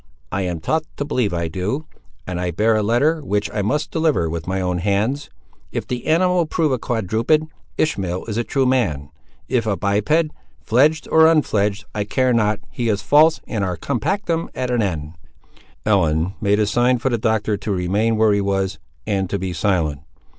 "I am taught to believe I do; and I bear a letter, which I must deliver with my own hands. If the animal prove a quadruped, Ishmael is a true man—if a biped, fledged or unfledged, I care not, he is false, and our compactum at an end!" Ellen made a sign for the Doctor to remain where he was, and to be silent.